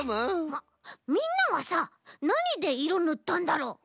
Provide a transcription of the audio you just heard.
あっみんなはさなにでいろぬったんだろう？ん？